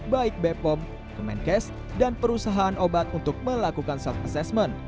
baik bepom kemenkes dan perusahaan obat untuk melakukan self assessment